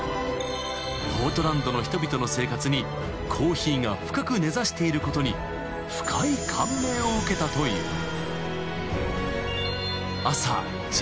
［ポートランドの人々の生活にコーヒーが深く根差していることに深い感銘を受けたという］